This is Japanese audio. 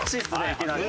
いきなり。